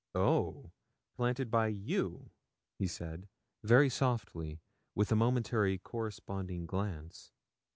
'Oh! planted by you?' he said, very softly, with a momentary corresponding glance.